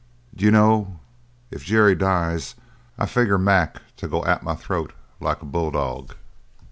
D'you know, if Jerry dies I figure Mac to go at my throat like a bulldog."